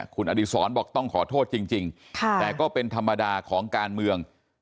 คุณอดีศรบอกต้องขอโทษจริงแต่ก็เป็นธรรมดาของการเมือง